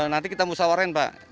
nanti kita musawarin pak